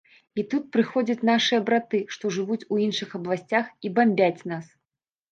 І тут прыходзяць нашыя браты, што жывуць у іншых абласцях і бамбяць нас.